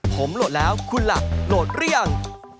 ผมโหลดแล้วคุณหลักโหลดเรียง